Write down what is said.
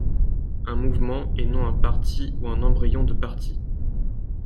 Un mouvement et non un parti ou un embryon de parti.